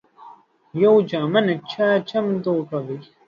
یوه جامع نقشه چمتو کوي.